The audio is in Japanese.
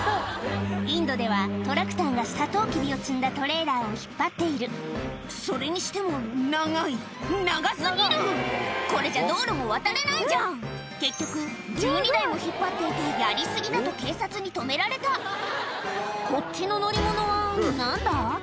インドではトラクターがサトウキビを積んだトレーラーを引っ張っているそれにしても長い長過ぎるこれじゃ道路も渡れないじゃん結局１２台も引っ張っていてやり過ぎだと警察に止められたこっちの乗り物は何だ？